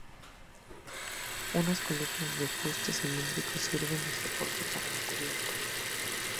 Unas columnas de fuste cilíndrico sirven de soporte para la cubierta.